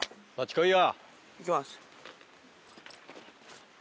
いきます。